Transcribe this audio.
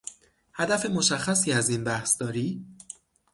هدف مشخصی از این بحث داری؟